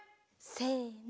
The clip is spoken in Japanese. せの。